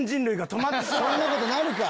そんなことなるか。